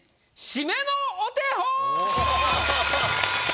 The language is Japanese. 締めのお手本。